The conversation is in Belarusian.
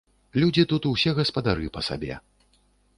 Людзі тут усе гаспадары па сабе.